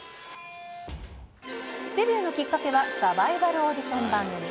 デビューのきっかけは、サバイバルオーディション番組。